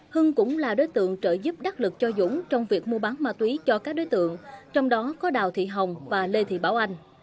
hưng cũng là đối tượng trợ giúp đắc lực cho dũng trong việc mua bán ma túy cho các đối tượng trong đó có đào thị hồng và lê thị bảo anh